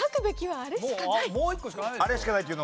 はい。